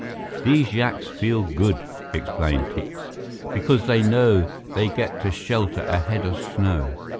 "These yaks feel good," explained Tikse, "because they know they get to shelter ahead of snow.